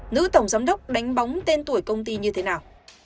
nữ tổng giám đốc đánh bóng tên tuổi công ty như thế nào